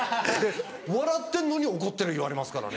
笑ってんのに怒ってる言われますからね。